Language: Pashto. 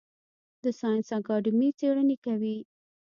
د ساینس اکاډمي څیړنې کوي؟